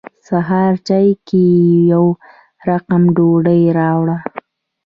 سهار چای کې یې يو رقم ډوډۍ راوړه.